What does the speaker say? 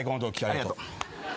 ありがとう。